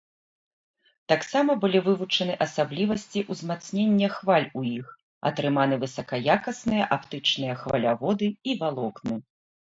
Таксама былі вывучаны асаблівасці ўзмацнення хваль у іх, атрыманы высакаякасныя аптычныя хваляводы і валокны.